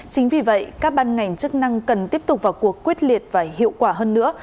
chính vì vậy các ban ngành chức năng cần tiếp tục vào cuộc quyết liệt và hiệu quả hơn nữa